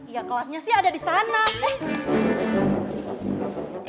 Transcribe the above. iya kelasnya sih ada disana eh